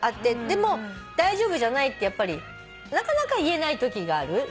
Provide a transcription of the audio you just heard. でも大丈夫じゃないってなかなか言えないときがある。